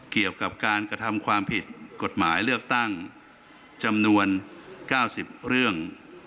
เกี่ยวกับการกระทำความผิดกฎหมายเลือกตั้งจำนวน๙๐เรื่อง